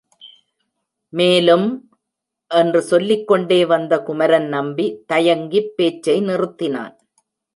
மேலும்... என்று சொல்லிக் கொண்டே வந்த குமரன் நம்பி தயங்கிப் பேச்சை நிறுத்தினான்.